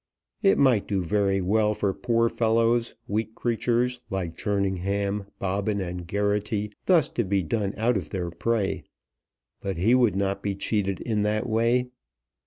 It might do very well for poor fellows, weak creatures like Jerningham, Bobbin, and Geraghty, thus to be done out of their prey; but he would not be cheated in that way.